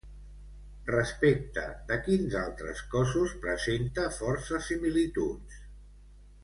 Respecte de quins altres cossos presenta força similituds?